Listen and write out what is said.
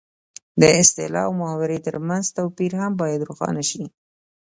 د اصطلاح او محاورې ترمنځ توپیر هم باید روښانه شي